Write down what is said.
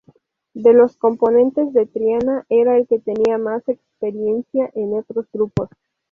De los componentes de Triana era el que tenía más experiencia en otros grupos.